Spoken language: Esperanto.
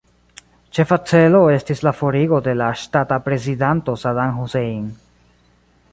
Ĉefa celo estis la forigo de la ŝtata prezidanto Saddam Hussein.